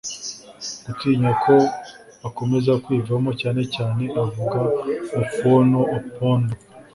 gutinya ko bakomeza kwivamo; cyane cyane avuga Ofwono Opondo